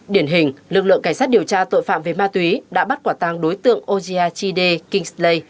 điển hình lực lượng cảnh sát điều tra tội phạm về ma túy đã bắt quả tăng đối tượng ojiachide kingsley